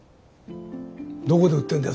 どこで売ってんだよ